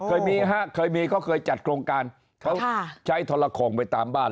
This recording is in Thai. ใช่เคยจัดโครงการแล้วใช้ทรคลองไปตามบ้าน